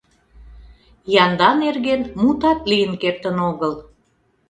Янда нерген мутат лийын кертын огыл.